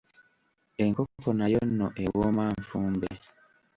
Enkoko nayo nno ewooma nfumbe.